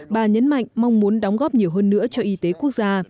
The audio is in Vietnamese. bà nhấn mạnh mong muốn đóng góp nhiều hơn nữa cho y tế quốc gia